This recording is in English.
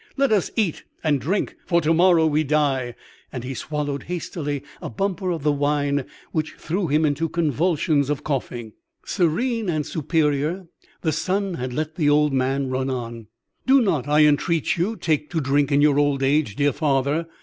Let us eat and drink, for to morrow we die." And he swallowed hastily a bumper of the wine, which threw him into convulsions of coughing. Serene and superior the son had let the old man run on. "Do not, I entreat you, take to drink in your old age, dear father.